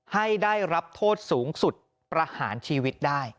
ให้ได้รับโทษสูงสุดประหารชีวิตได้